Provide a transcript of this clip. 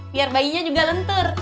biar bayinya juga lentur